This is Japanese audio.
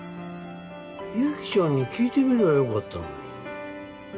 ゆきちゃんに聞いてみればよかったのに。